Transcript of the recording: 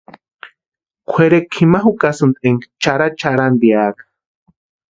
Kwʼerekwa jima jukasïnti énka charhacharhantiaka.